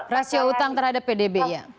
rasio utang terhadap pdb